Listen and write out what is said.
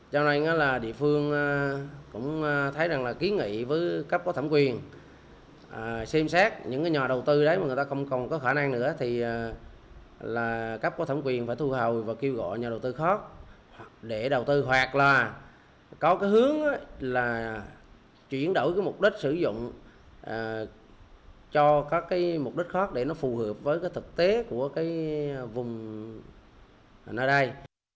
chính là chuyển đổi mục đích sử dụng cho các mục đích khác để nó phù hợp với thực tế của vùng nơi đây